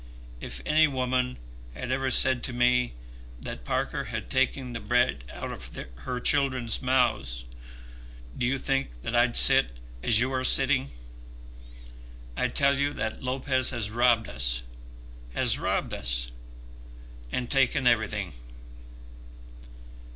If any woman had ever said to me that Parker had taken the bread out of her children's mouths, do you think that I'd sit as you are sitting? I tell you that Lopez has robbed us, has robbed us, and taken everything."